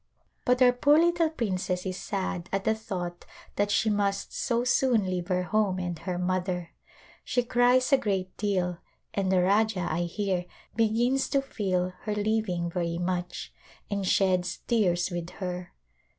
But our poor little princess is sad at the thought that she must so soon leave her home and her mother. She cries a great deal, and the Rajah, I hear, begins to feel her leaving very much, and sheds tears with her.